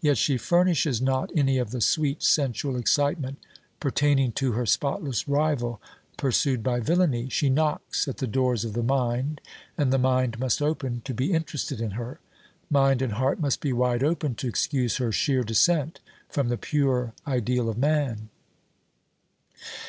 Yet she furnishes not any of the sweet sensual excitement pertaining to her spotless rival pursued by villany. She knocks at the doors of the mind, and the mind must open to be interested in her. Mind and heart must be wide open to excuse her sheer descent from the pure ideal of man.